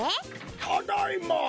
・ただいま！